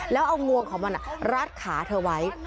แล้วเอางวงของมันรัดขาเธอไว้